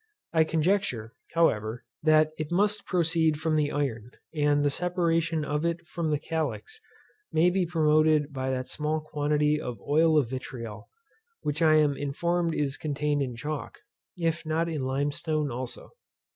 I conjecture, however, that it must proceed from the iron, and the separation of it from the calx may be promoted by that small quantity of oil of vitriol, which I am informed is contained in chalk, if not in lime stone also.